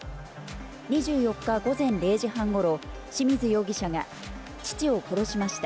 ２４日午前０時半ごろ、志水容疑者が、父を殺しました。